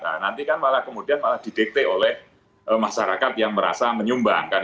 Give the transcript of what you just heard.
nah nanti kan malah kemudian malah didikte oleh masyarakat yang merasa menyumbangkan